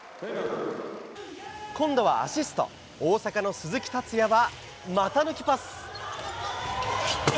今度はアシスト、大阪の鈴木達也は、股抜きパス。